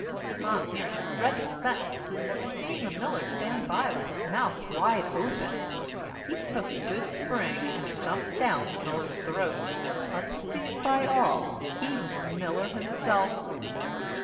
Tom hearing this dreadful sentence, and seeing a miller stand by with his mouth wide open, he took a good spring, and jumped down the miller's throat, unperceived by all, even by the miller himself.